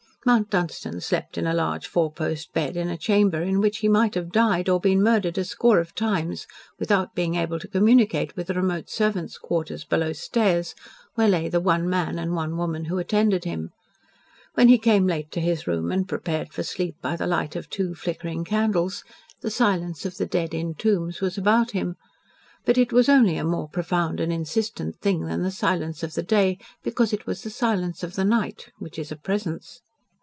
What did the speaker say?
Mount Dunstan slept in a large four post bed in a chamber in which he might have died or been murdered a score of times without being able to communicate with the remote servants' quarters below stairs, where lay the one man and one woman who attended him. When he came late to his room and prepared for sleep by the light of two flickering candles the silence of the dead in tombs was about him; but it was only a more profound and insistent thing than the silence of the day, because it was the silence of the night, which is a presence.